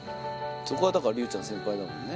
そこはだから隆ちゃん先輩だもんね